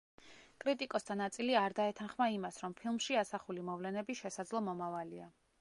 კრიტიკოსთა ნაწილი არ დაეთანხმა იმას, რომ ფილმში ასახული მოვლენები შესაძლო მომავალია.